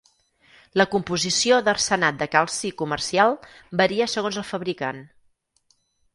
La composició d'arsenat de calci comercial varia segons el fabricant.